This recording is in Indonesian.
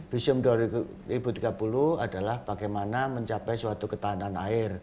visium dua ribu tiga puluh adalah bagaimana mencapai suatu ketahanan air